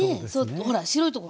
ほら白いとこ